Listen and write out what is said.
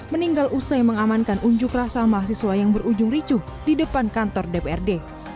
meninggal usai mengamankan unjuk rasa mahasiswa yang berujung ricuh di depan kantor dprd